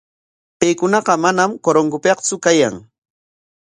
Paykunaqa manam Corongopiktsu kayan.